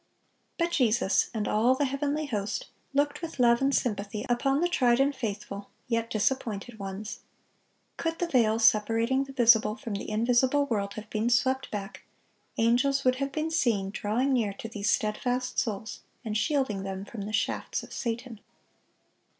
But Jesus and all the heavenly host looked with love and sympathy upon the tried and faithful yet disappointed ones. Could the veil separating the visible from the invisible world have been swept back, angels would have been seen drawing near to these steadfast souls, and shielding them from the shafts of Satan.